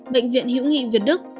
bệnh viện hữu nghị việt đức